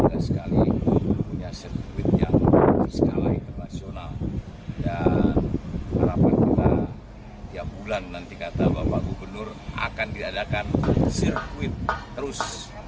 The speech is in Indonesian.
tersegali mempunyai sirkuit yang di skala internasional dan harapan kita tiap bulan nanti kata bapak gubernur akan diadakan sirkuit terus